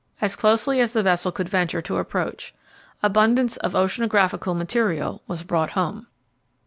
as closely as the vessel could venture to approach. Abundance of oceanographical material was brought home.